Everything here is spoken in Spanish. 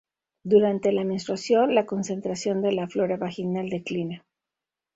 Durante la menstruación, la concentración de la flora vaginal declina.